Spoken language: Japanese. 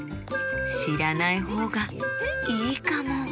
しらないほうがいいかも！